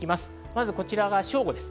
こちらが正午です。